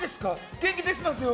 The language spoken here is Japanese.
元気出してますよ！